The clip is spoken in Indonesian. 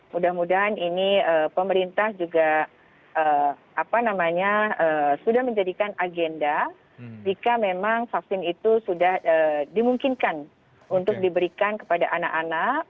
mudah mudahan ini pemerintah juga sudah menjadikan agenda jika memang vaksin itu sudah dimungkinkan untuk diberikan kepada anak anak